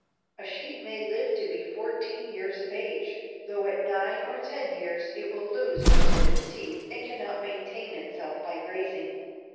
A sheep may live to be fourteen years of age, though at nine or ten years it will lose most of its teeth and cannot maintain itself by grazing.